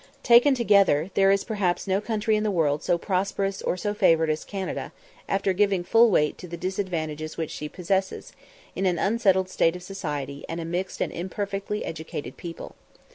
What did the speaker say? Taken altogether, there is perhaps no country in the world so prosperous or so favoured as Canada, after giving full weight to the disadvantages which she possesses, in a large Roman Catholic population, an unsettled state of society, and a mixed and imperfectly educated people.